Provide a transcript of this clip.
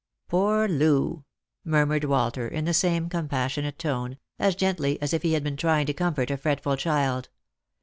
" Poor Loo !" murmured Walter, in the same compassionate tone, as gently as if he had been trying to comfort a fretful child.